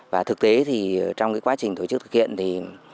và thực tế thì trong cái quá trình tổ chức thực hiện thì